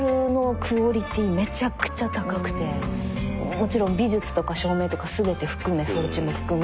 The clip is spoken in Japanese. もちろん美術とか照明とか全て含め装置も含め。